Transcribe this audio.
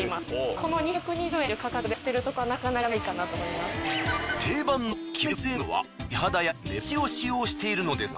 この２２０円という価格で出してるとこはなかなかないかなと思います。